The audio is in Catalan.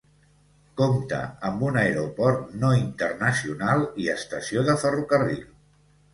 Compta amb un aeroport no internacional i estació de ferrocarril.